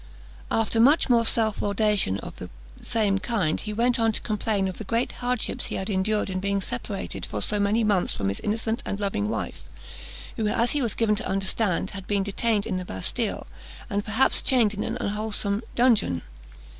After much more self laudation of the same kind, he went on to complain of the great hardships he had endured in being separated for so many months from his innocent and loving wife, who, as he was given to understand, had been detained in the Bastille, and perhaps chained in an unwholesome dungeon.